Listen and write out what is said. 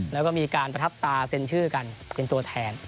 แล้วก็มีการประทับตาเซ็นชื่อกันเป็นตัวแทน